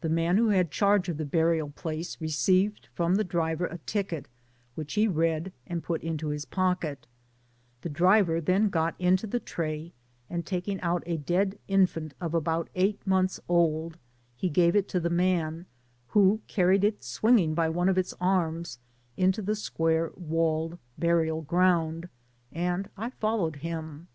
The man who had charge of the burial place receiv^ from the driver a ticket, which he read, and put into his pocket ; the driver then got into the tray, and taking out a dead infant of about eight months old, he gave it to the man, who carried it swinging by one of its arms into the square walled burial ground, and I followed him.